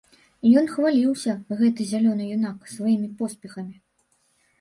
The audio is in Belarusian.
Ён хваліўся, гэты зялёны юнак, сваімі поспехамі.